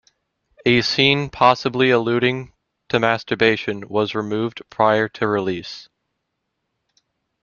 A scene possibly alluding to masturbation was removed prior to release.